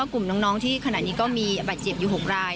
กลุ่มน้องที่ขณะนี้ก็มีบาดเจ็บอยู่๖ราย